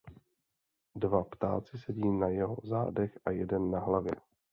Dva ptáci sedí na jeho zádech a jeden na hlavě.